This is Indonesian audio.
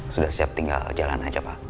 sudah siap tinggal jalan aja pak